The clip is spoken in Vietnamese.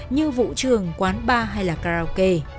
như vụ trường quán bar hay karaoke